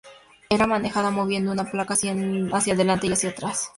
Era manejada moviendo una palanca hacia adelante y hacia atrás.